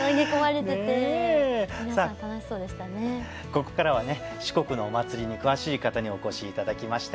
ここからはね四国のお祭りに詳しい方にお越しいただきました。